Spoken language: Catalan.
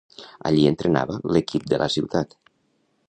Allí entrenava l'equip de la ciutat.